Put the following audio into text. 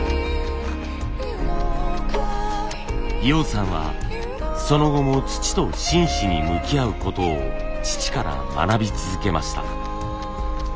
陽さんはその後も土と真摯に向き合うことを父から学び続けました。